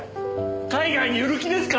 海外に売る気ですか？